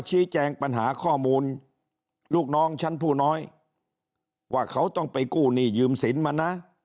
ชี้แจงปัญหาข้อมูลลูกน้องชั้นผู้น้อยว่าเขาต้องไปกู้หนี้ยืมสินมานะ